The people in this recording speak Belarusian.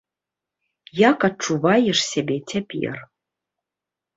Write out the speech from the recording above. Як адчуваеш сябе цяпер?